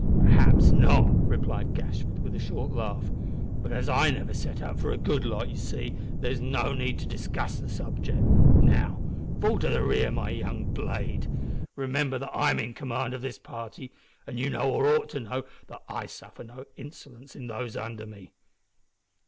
"Perhaps not," replied Gashford, with a short laugh; "but as I never set up for a good lot, you see, there's no need to discuss the subject. Now, fall to the rear, my young blade. Remember that I'm in command of this party, and you know, or ought to know, that I suffer no insolence in those under me."